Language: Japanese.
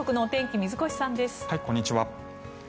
こんにちは。